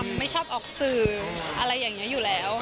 ไม่ชอบออกสื่ออะไรอย่างนี้อยู่แล้ว